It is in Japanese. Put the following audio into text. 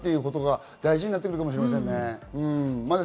ということが大事になるかもしれませんね。